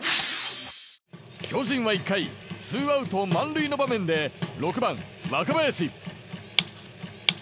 巨人は１回ツーアウト満塁の場面で６番、若林。